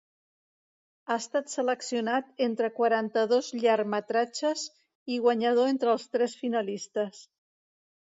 Ha estat seleccionat entre quaranta-dos llargmetratges i guanyador entre els tres finalistes.